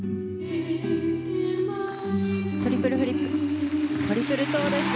トリプルフリップトリプルトウループ。